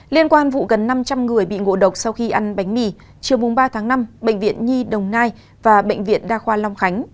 liên quan vụ gần năm trăm linh người bị ngộ độc sau khi ăn bánh mì chiều ba tháng năm bệnh viện nhi đồng nai và bệnh viện đa khoa long khánh